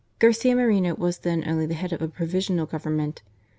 Garcia Moreno was then only the head of a pro visional government.